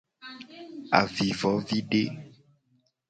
Avivovide.